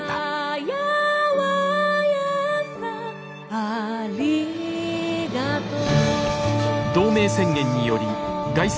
「ありがとう」